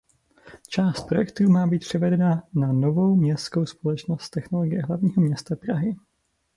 Část projektů má být převedena na novou městskou společnost Technologie Hlavního města Prahy.